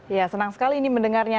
ya senang sekali ini mendengarnya